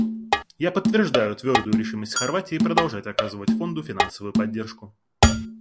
Я подтверждаю твердую решимость Хорватии продолжать оказывать Фонду финансовую поддержку.